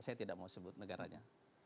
saya tidak mau sebut negaranya